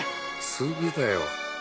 「すぐだよ」